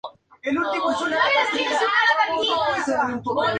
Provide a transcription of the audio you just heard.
Tema:es la información conocida y presentada en el texto, idea principal.